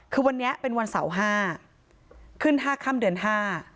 คือวันนี้เป็นวันเสาร์ห้าขึ้นห้าค่ำเดือนห้า